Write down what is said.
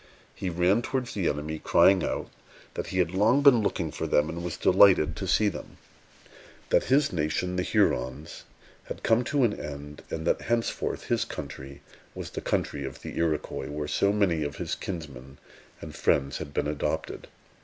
He ran towards the enemy, crying out, that he had long been looking for them and was delighted to see them; that his nation, the Hurons, had come to an end; and that henceforth his country was the country of the Iroquois, where so many of his kinsmen and friends had been adopted.